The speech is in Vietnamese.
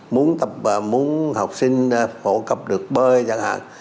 muốn học sinh phổ cấp được bơi chẳng hạn